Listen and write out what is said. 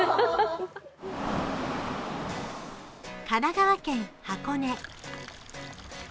神奈川県箱根。